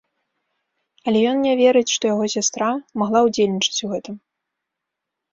Але ён не верыць, што яго сястра магла ўдзельнічаць у гэтым.